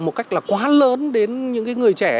một cách là quá lớn đến những người trẻ